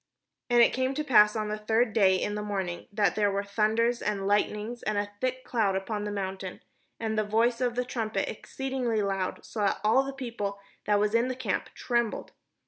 And it came to pass on the third day in the morning, that there were thunders and Ughtnings, and a thick cloud upon the mount, and the voice of the trumpet exceeding loud; so that all the people that was in the camp trembled.